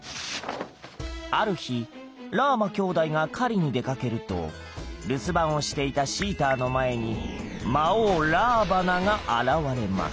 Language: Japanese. ある日ラーマ兄弟が狩りに出かけると留守番をしていたシーターの前に魔王ラーバナが現れます